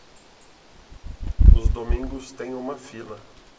Os domingos têm uma fila.